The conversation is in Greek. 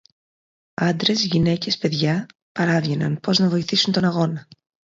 Άντρες, γυναίκες, παιδιά, παράβγαιναν πώς να βοηθήσουν τον αγώνα